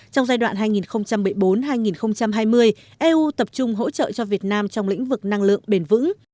trong giai đoạn hai nghìn một mươi bốn hai nghìn hai mươi eu tập trung hỗ trợ cho việt nam trong lĩnh vực năng lượng bền vững